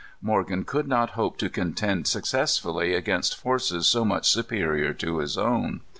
Morgan could not hope to contend successfully against forces so much superior to his own.